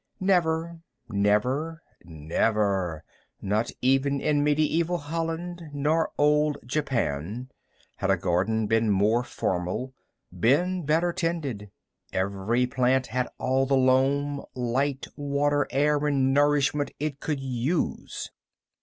Never, never, never not even in medieval Holland nor old Japan had a garden been more formal, been better tended. Every plant had all the loam, light, water, air and nourishment it could use.